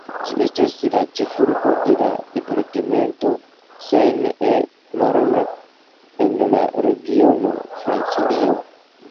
Ĝi estas la ĉefurbo de la departemento Seine-et-Marne, en la regiono Francilio.